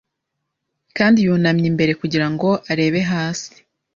Kandi yunamye imbere kugirango arebe hasi